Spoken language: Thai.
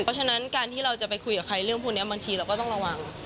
เพราะฉะนั้นการที่เราจะไปคุยกับใครเรื่องพวกนี้บางทีเราก็ต้องระวัง